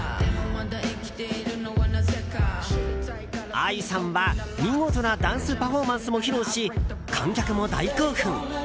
ＡＩさんは見事なダンスパフォーマンスも披露し観客も大興奮！